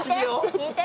聞いて。